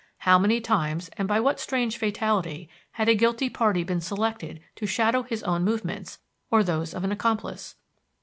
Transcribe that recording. How many times, and by what strange fatality, had a guilty party been selected to shadow his own movements, or those of an accomplice!